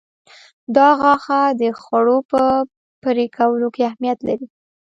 دا غاښه د خوړو په پرې کولو کې اهمیت لري.